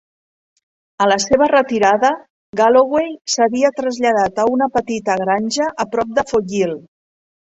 A la seva retirada, Galloway s'havia traslladat a una petita granja a prop de Foyil.